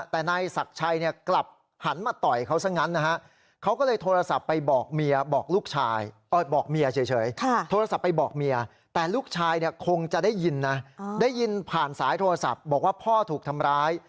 แต่เนื่องไหลยศักดิ์ชัยกลับหันมาต่อยเขาซักนั้นนะฮะ